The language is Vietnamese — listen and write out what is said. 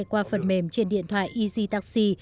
qua phần mềm trên điện thoại easy taxi